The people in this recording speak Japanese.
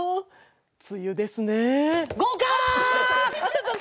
梅雨ですね。